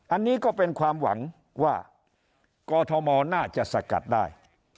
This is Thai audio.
อันนี้ก็เป็นความหวังว่ากอทมน่าจะสกัดได้